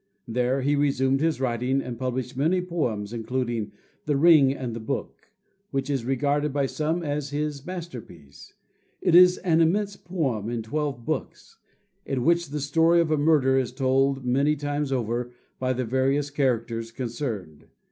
There he resumed his writing, and published many poems, including "The Ring and the Book," which is regarded by some as his masterpiece. It is an immense poem in twelve books, in which the story of a murder is told many times over by the various characters concerned.